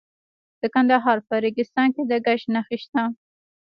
د کندهار په ریګستان کې د ګچ نښې شته.